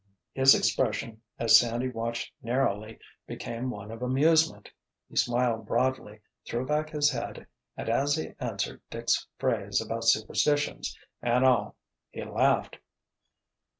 His expression, as Sandy watched narrowly, became one of amusement, he smiled broadly, threw back his head and as he answered Dick's phrase about superstitions and all, he laughed.